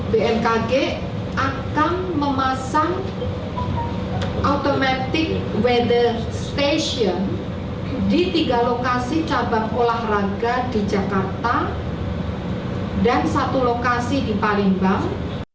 bmkg akan memasang automatic weather station di tiga lokasi cabang olahraga di jakarta dan satu lokasi di palembang